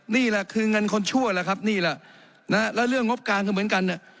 นี่แหละคือเงินคนชั่วล่ะครับนี่แหละแล้วเรื่องงบกลางก็เหมือนกันเนี่ย